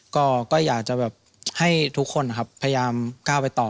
ก็อยากจะแบบให้ทุกคนนะครับพยายามก้าวไปต่อ